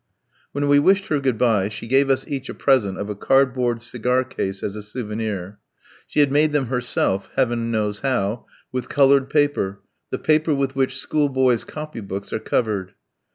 When we wished her "good bye," she gave us each a present of a cardboard cigar case as a souvenir. She had made them herself Heaven knows how with coloured paper, the paper with which school boys' copy books are covered.